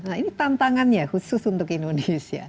nah ini tantangannya khusus untuk indonesia